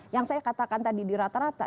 yang saya katakan tadi di rata rata